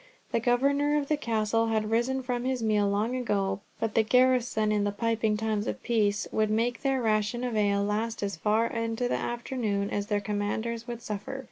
The governor of the Castle had risen from his meal long ago, but the garrison in the piping times of peace would make their ration of ale last as far into the afternoon as their commanders would suffer.